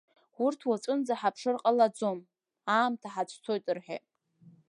Урҭ уаҵәынӡа ҳаԥшыр ҟалаӡом, аамҭа ҳацәцоит рҳәеит.